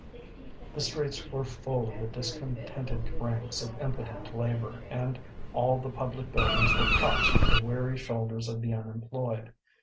The streets were full of the discontented ranks of impotent labor, and all the public buildings were props for the weary shoulders of the unemployed.